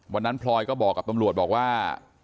วันนั้นพลอยก็บอกกับตำรวจว่า